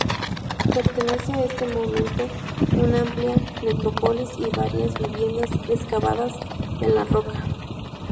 Pertenece a este momento una amplia necrópolis y varias viviendas excavadas en la roca.